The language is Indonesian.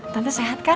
tante sehat kan